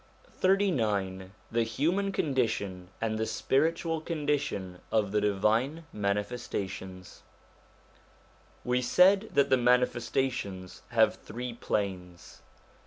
XXXIX THE HUMAN CONDITION AND THE SPIRITUAL CONDITION OF THE DIVINE MANIFESTATIONS WE said that the Manifestations have three planes.